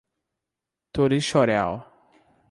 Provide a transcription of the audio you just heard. Torixoréu